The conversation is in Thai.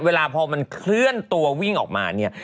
เวลาพอมันเคลื่อนตัววิ่งออกมาเนี่ย